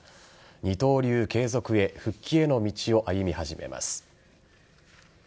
二刀流継続へ復帰への道を歩み始めます。